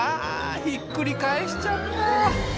ひっくり返しちゃった。